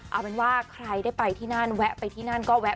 เอาเป็นว่าใครได้ไปที่นั่นแวะไปที่นั่นก็แวะ